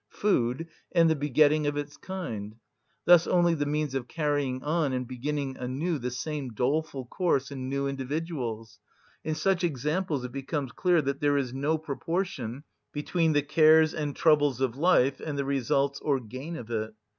Food and the begetting of its kind; thus only the means of carrying on and beginning anew the same doleful course in new individuals. In such examples it becomes clear that there is no proportion between the cares and troubles of life and the results or gain of it.